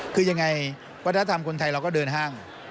คือยังไงว่าถ้าทำคนไทยเราก็เดินห้าง